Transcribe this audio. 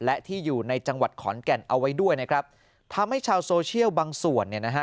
และที่อยู่ในจังหวัดขอนแก่นเอาไว้ด้วยนะครับทำให้ชาวโซเชียลบางส่วนเนี่ยนะฮะ